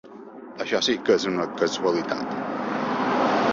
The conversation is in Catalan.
Això sí que és una casualitat.